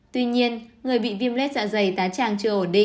tuy nhiên người bị viêm lết dạ dày tá tràng chứa